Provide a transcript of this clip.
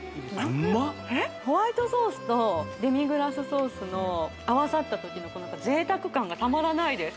うまっホワイトソースとデミグラスソースの合わさったときのこの贅沢感がたまらないです